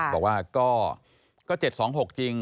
บอกว่าก็๗๒๖จริง